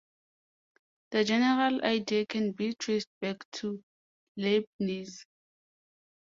The general idea can be traced back to Leibniz.